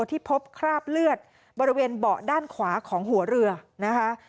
ที่พบคราบเลือดบริเวณเบาะด้านขวาของหัวเรือนะคะ